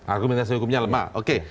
argumentasi hukumnya lemah oke